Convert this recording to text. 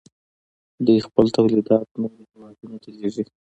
دوی خپل تولیدات نورو هیوادونو ته لیږي.